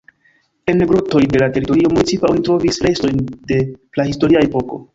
En grotoj de la teritorio municipa oni trovis restojn de prahistoria epoko.